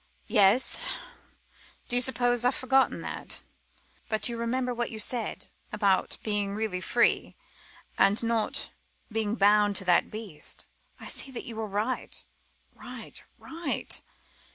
"Yes do you suppose I've forgotten that? But you remember what you said about being really free, and not being bound to that beast. I see that you were right right, right.